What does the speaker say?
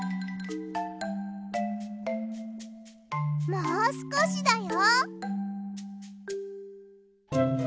もうすこしだよ。